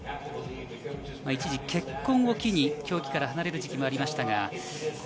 一時、結婚を機に競技から離れる時期もありました。